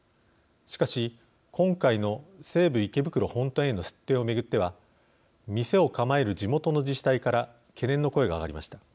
しかし今回の西武池袋本店への出店を巡っては店を構える地元の自治体から懸念の声が上がりました。